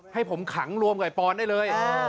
ให้ผมขังรวมกับไอปอนได้เลย